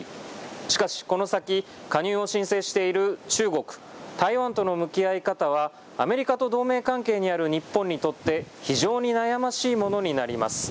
しかしこの先、加入を申請している中国、台湾との向き合い方はアメリカと同盟関係にある日本にとって非常に悩ましいものになります。